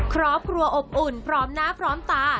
ครอบครัวอบอุ่นพร้อมหน้าพร้อมตา